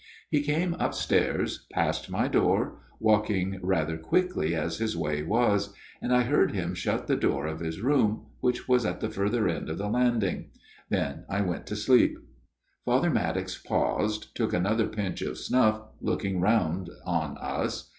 He came upstairs, past my door, walking rather quickly as his way was ; and I heard him shut the door of his room, which was FATHER MADDOX'S TALE 223 at the further end of the landing. Then I went to sleep." Father Maddox paused, took another pinch of snuff, looking round on us.